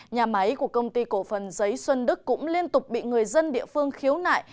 nhà máy của công ty cổ phần giấy xuân đức cũng liên tục bị người dân địa phương khiếu nại